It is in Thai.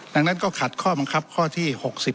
ดังนั้นก็ขัดข้อบังคับข้อที่๖๐